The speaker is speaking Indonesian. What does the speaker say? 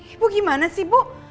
ibu gimana sih ibu